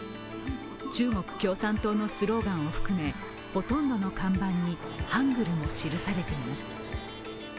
中国共産党のスローガンを含めほとんどの看板にハングルも記されています。